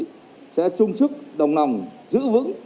chúng ta sẽ chung chức đồng nòng giữ vững